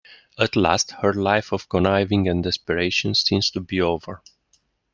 At last, her life of conniving and desperation seems to be over.